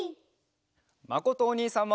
まことおにいさんも。